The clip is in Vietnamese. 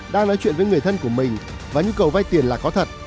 đang nói chuyện với người thân của mình và nhu cầu vay tiền là có thật